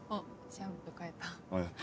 シャンプー変えたあっ